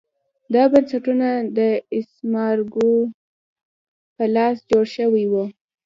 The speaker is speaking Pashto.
دا بنسټونه د استعمارګرو په لاس جوړ شوي وو.